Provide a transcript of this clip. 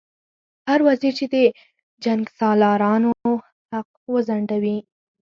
هر وزیر چې د جنګسالارانو حق وځنډوي.